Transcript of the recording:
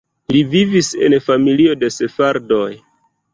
Li vivis en familio de sefardoj.